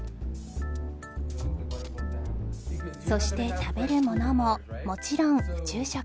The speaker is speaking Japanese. そして食べるものももちろん宇宙食